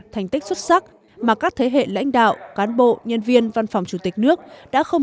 thành tích xuất sắc mà các thế hệ lãnh đạo cán bộ nhân viên văn phòng chủ tịch nước đã không